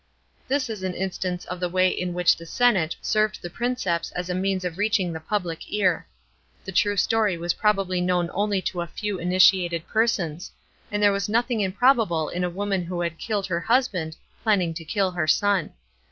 This is an instance of the way in which the senate served the Princeps as a means of reaching the public tar. The true story was probably known only to a few initiated persons ; and there was nothing improbable in a woman who had killed her husband planning to kill her son.